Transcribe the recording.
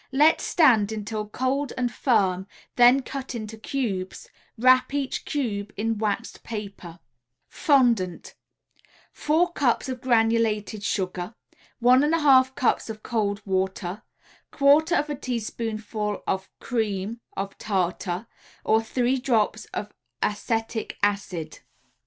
Let stand until cold and firm, then cut in cubes; wrap each cube in waxed paper. FONDANT 4 cups of granulated sugar, 1 1/2 cups of cold water, 1/4 a teaspoonful of cream of tartar, or 3 drops of acetic acid.